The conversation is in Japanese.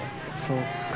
そっか。